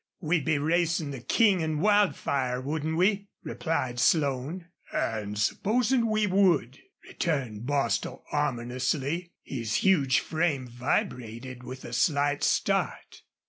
"We'd be racin' the King an' Wildfire, wouldn't we?" replied Slone. "An' supposin' we would?" returned Bostil, ominously. His huge frame vibrated with a slight start.